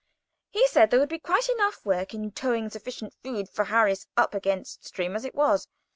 He said there would be quite enough hard work in towing sufficient food for Harris up against stream, as it was.